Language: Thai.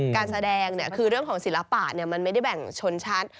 การแสดงคือเรื่องของศิลปะมันไม่ได้แบ่งชนชั้น